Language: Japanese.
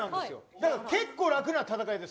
だから結構、楽な戦いです。